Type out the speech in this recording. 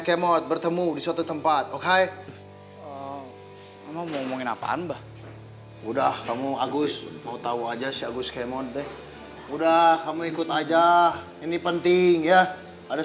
sampai jumpa di video selanjutnya